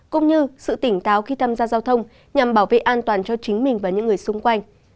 cũng như sự tỉnh táo khi tham gia giao thông nhằm bảo vệ an toàn cho chính mình và những người xung quanh